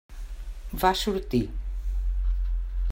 Va sortir.